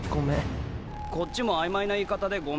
こっちも曖昧な言い方でごめん。